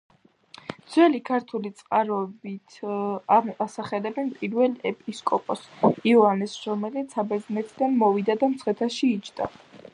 ძველი ქართული წყაროებით ასახელებენ პირველ ეპისკოპოსს იოანეს, რომელიც საბერძნეთიდან მოვიდა და მცხეთაში იჯდა.